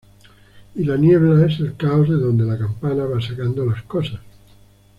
Y la niebla es el caos de donde la campana va sacando las cosas.